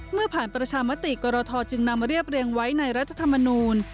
เมื่อผ่านประชามติกรทจึงนำมาเรียบเรียงไว้ในรัฐธรรมนูล